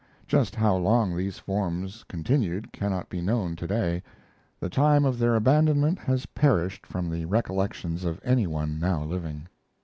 Just how long these forms continued cannot be known to day; the time of their abandonment has perished from the recollection of any one now living.